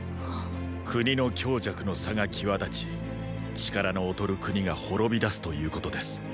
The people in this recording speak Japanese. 国の強弱の差が際立ち力の劣る国が滅びだすということです。